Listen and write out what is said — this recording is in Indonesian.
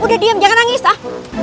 udah diem jangan nangis ah